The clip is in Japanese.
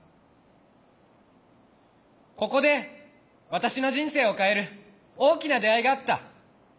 ここで私の人生を変える大きな出会いがあった。